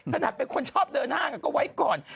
ขนาดเป็นคนชอบเดินห้างก็ไว้ก่อน